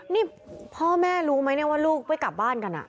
นี่พ่อแม่รู้ไหมเนี่ยว่าลูกไม่กลับบ้านกัน